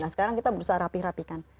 sekarang kita berusaha rapih rapikan